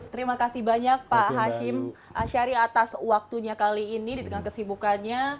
terima kasih banyak pak hashim ashari atas waktunya kali ini di tengah kesibukannya